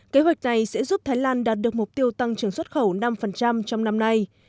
kế hoạch này sẽ giúp thái lan đạt được mục tiêu tăng trưởng xuất khẩu năm trong năm nay